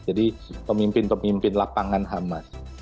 jadi pemimpin pemimpin lapangan hamas